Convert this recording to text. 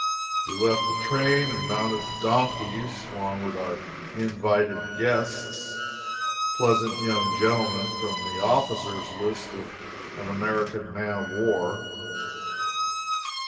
We left the train and mounted the donkeys, along with our invited guests pleasant young gentlemen from the officers' list of an American man of war.